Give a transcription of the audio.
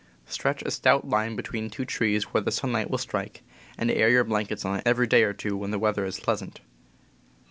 Stretch a stout line between two trees where the sun light will strike, and air your blankets on it every day or two when the weather is pleasant.